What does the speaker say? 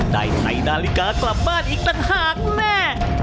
ได้ไทยนาฬิกากลับบ้านอีกหนักหากแน่